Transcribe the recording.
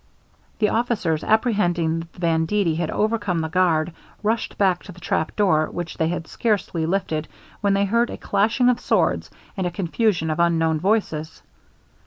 The officers apprehending that the banditti had overcome the guard, rushed back to the trapdoor, which they had scarcely lifted, when they heard a clashing of swords, and a confusion of unknown voices.